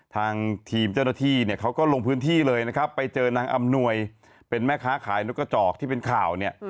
ทางทีมเจ้าหน้าที่เนี่ยเขาก็ลงพื้นที่เลยนะครับไปเจอนางอำนวยเป็นแม่ค้าขายนกกระจอกที่เป็นข่าวเนี่ย